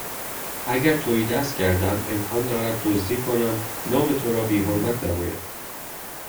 اگر تهیدست گردم امکان دارد دزدی کنم نام تو را بیحرمت نمایم